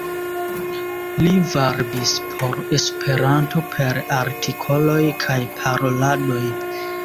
Li varbis por Esperanto per artikoloj kaj paroladoj.